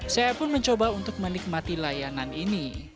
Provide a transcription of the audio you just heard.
saya pun mencoba untuk menikmati layanan ini